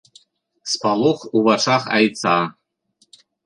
Спалох у вачах айца.